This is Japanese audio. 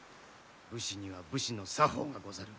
武士には武士の作法がござる。